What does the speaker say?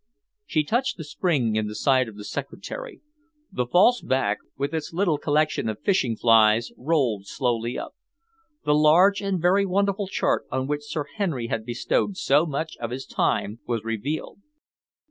She touched the spring in the side of the secretary. The false back, with its little collection of fishing flies, rolled slowly up. The large and very wonderful chart on which Sir Henry had bestowed so much of his time, was revealed.